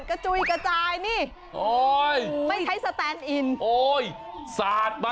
โอ้โหสุดยอด